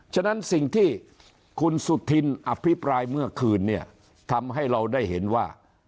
ฉะนั้นสิ่งที่คุณสุธินอภิปรายเมื่อคืนเนี่ยทำให้เราได้เห็นว่า